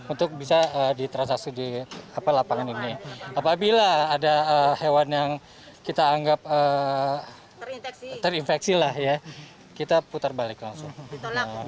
untuk bisa ditransaksi di lapangan ini apabila ada hewan yang kita anggap terinfeksi lah ya kita putar balik langsung